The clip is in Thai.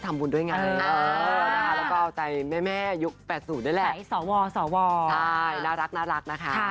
อายุไม่มีปัญหาแต่สุขภาพ